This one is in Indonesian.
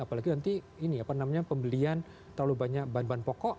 apalagi nanti ini apa namanya pembelian terlalu banyak bahan bahan pokok